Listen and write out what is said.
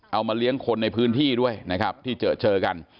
เอามาเลี้ยงคนในพื้นที่ด้วยนะครับที่เจอเจอกัน